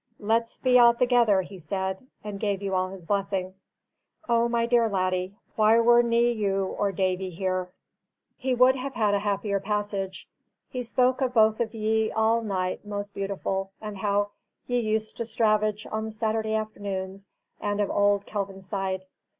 Let's be a' thegither, he said, and gave you all his blessing. O my dear laddie, why were nae you and Davie here? He would have had a happier passage. He spok of both of ye all night most beautiful, and how ye used to stravaig on the Saturday afternoons, and of auld Kelvinside.